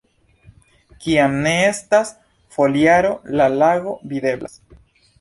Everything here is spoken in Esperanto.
Kiam ne estas foliaro, la lago videblas.